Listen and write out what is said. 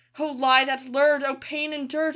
O lie that lured! O pain endured!